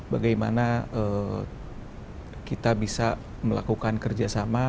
bagaimana kita bisa melakukan kerjasama